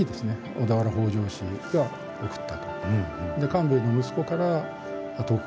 小田原北条氏が贈ったと。